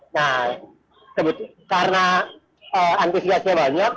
nah karena antisipasinya banyak